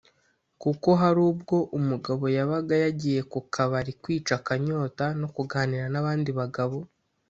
kuko hari ubwo umugabo yabaga yagiye ku kabari kwica akanyota no kuganira n’abandi bagabo